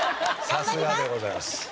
さすがでございます。